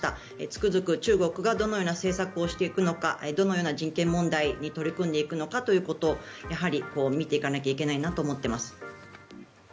つくづく中国がどのような政策をしていくのかどのような人権問題に取り組んでいくのかということを見ていかなければいけないなと思っています。